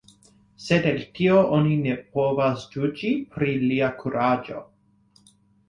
Sed el tio oni ne povas juĝi pri lia kuraĝo.